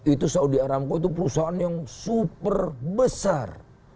itu saudi aramco itu perusahaan yang super besar